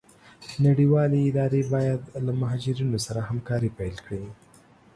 نړيوالي اداري بايد له مهاجرينو سره همکاري پيل کړي.